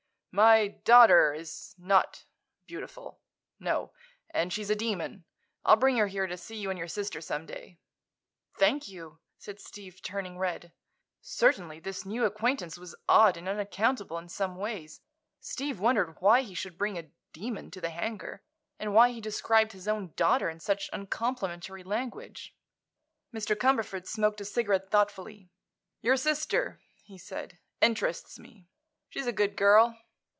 "My daughter is not—beautiful. No. And she's a demon. I'll bring her here to see you and your sister, some day." "Thank you," said Steve, turning red. Certainly this new acquaintance was odd and unaccountable in some ways. Steve wondered why he should bring a "demon" to the hangar, and why he described his own daughter in such uncomplimentary language. Mr. Cumberford smoked a cigarette thoughtfully. "Your sister," he said, "interests me. She's a good girl.